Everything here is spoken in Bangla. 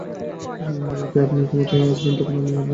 রাতে আপনি যখন ঘুমুতে আসবেন তখন আমি আপনাকে একটা গল্প পড়ে শোনাব।